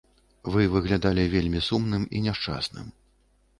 Вы выглядалі вельмі сумным і няшчасным.